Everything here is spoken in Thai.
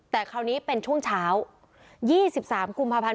แต่คราวนี้เป็นช่วงเช้า๒๓กุมภาพันธ์